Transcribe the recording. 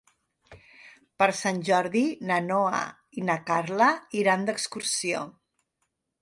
Per Sant Jordi na Noa i na Carla iran d'excursió.